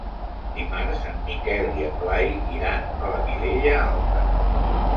Dimarts en Miquel i en Blai iran a la Vilella Alta.